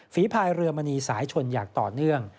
พายเรือมณีสายชนอย่างต่อเนื่อง